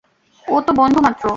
ও তো বন্ধু মাত্র।